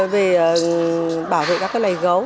về bảo vệ các loài gấu